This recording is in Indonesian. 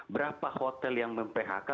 berapa hotel yang phk